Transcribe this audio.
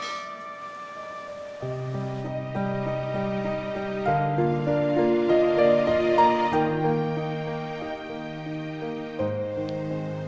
kamu kangen mama ya